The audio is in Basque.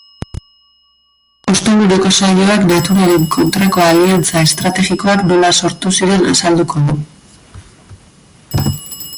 Osteguneko saioak naturaren kontrako aliantza estrategikoak nola sortu ziren azalduko du.